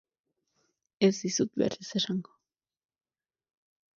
Ez dizut berriz esango.